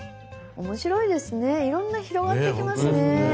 面白いですねいろんな広がっていきますね。